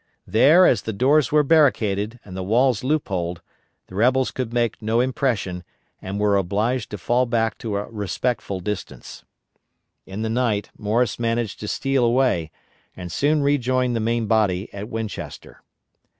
There, as the doors were barricaded, and the walls loopholed, the rebels could make no impression, and were obliged to fall back to a respectful distance. In the night Morris managed to steal away, and soon rejoined the main body at Winchester.